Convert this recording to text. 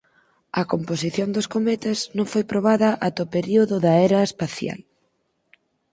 A composición dos cometas non foi probada ata o período da era espacial.